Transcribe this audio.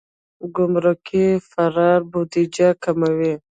ګمرکي فرار بودیجه کموي.